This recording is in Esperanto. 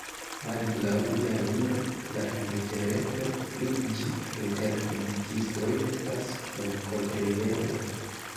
Malgraŭ lia miro, la indiferento pri ĝi inter fizikistoj estas memkomprenebla.